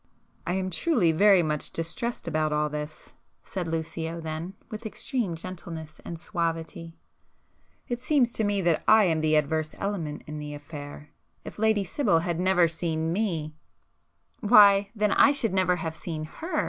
"I am truly very much distressed about all this;" said Lucio then, with extreme gentleness and suavity—"It seems to me that I am the adverse element in the affair. If Lady Sibyl had never seen me,——" "Why, then I should never have seen her!"